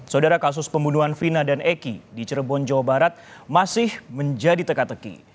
saudara kasus pembunuhan vina dan eki di cirebon jawa barat masih menjadi teka teki